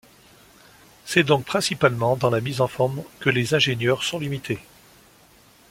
C'est donc principalement dans la mise en forme que les ingénieurs sont limités.